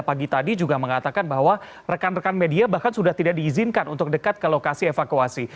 pagi tadi juga mengatakan bahwa rekan rekan media bahkan sudah tidak diizinkan untuk dekat ke lokasi evakuasi